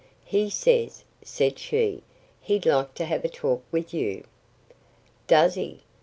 "He says," said she, "he'd like to have a talk with you." "Does he?"